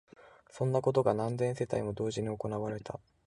そんなことが何千世帯も同時に行われた